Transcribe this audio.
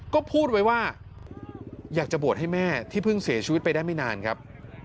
ก็พูดไว้ว่าอยากจะบวชให้แม่ที่เพิ่งเสียชีวิตไปได้ไม่นานครับ